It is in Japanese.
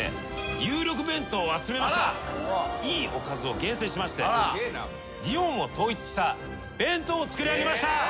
いいおかずを厳選しまして日本を統一した弁当を作りあげました。